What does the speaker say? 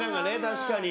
確かに。